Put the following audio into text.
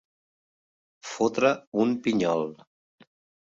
Fotre un pinyol.